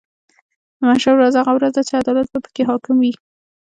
د محشر ورځ هغه ورځ ده چې عدالت به پکې حاکم وي .